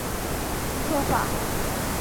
蒙特法。